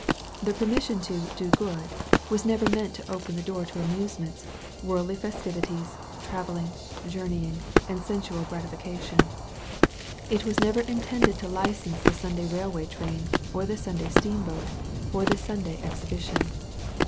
The permission to " do good" was never meant to open the door to amusements, worldly festivities, travelling, journeying, and sensual gratification. It was never intended to license the Sunday railway train, or the Sunday steamboat, or the Sunday exhibition.